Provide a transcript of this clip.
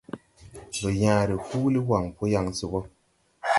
Ndo yãã re huuli waŋ po yaŋ se bo.